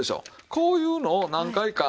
こういうのを何回か。